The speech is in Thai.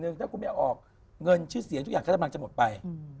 หรือเมื่อกว่าไม่ออกเงินชื่อเสียงคลิ้นทุกอย่างกำลังจะหมดไป